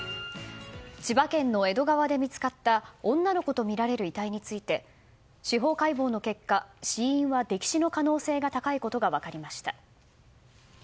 千葉県の江戸川で見つかった女の子とみられる遺体について司法解剖の結果死因は溺死の可能性が高いことが分かりました。